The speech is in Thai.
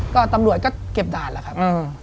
ก็ตำรวจก็เก็บด่านแหละครับ